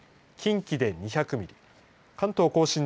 近畿で２００ミリ